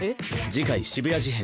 次回「渋谷事変」。